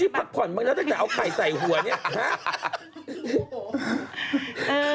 อ๋อเดินทั้งภาษนั้นไปทีเดียวกันงานนี้ชิพักผ่อนเมื่อก่อน